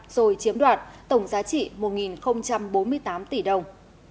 rồi chiếm đoạt tổng giá trị một bốn mươi tám tỷ đồng